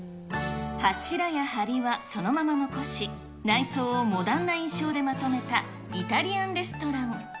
柱やはりはそのまま残し、内装をモダンな印象でまとめたイタリアンレストラン。